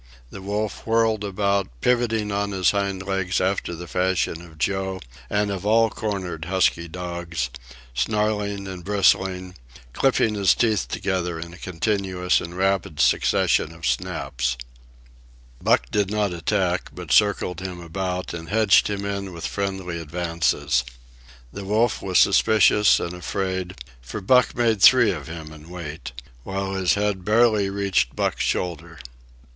The wolf whirled about, pivoting on his hind legs after the fashion of Joe and of all cornered husky dogs, snarling and bristling, clipping his teeth together in a continuous and rapid succession of snaps. Buck did not attack, but circled him about and hedged him in with friendly advances. The wolf was suspicious and afraid; for Buck made three of him in weight, while his head barely reached Buck's shoulder.